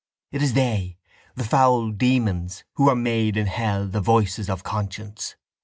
It is they, the foul demons, who are made in hell the voices of conscience.